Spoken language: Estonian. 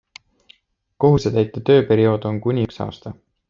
Kohusetäitja tööperiood on kuni üks aasta.